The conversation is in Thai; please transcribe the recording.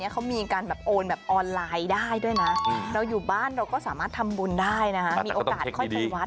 เค้ามีการโอนไลน์ได้๒๒๐๐นอยู่บ้านเราก็สามารถทำบุญได้นะคะ